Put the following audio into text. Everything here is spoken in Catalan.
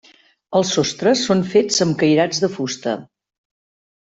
Els sostres són fets amb cairats de fusta.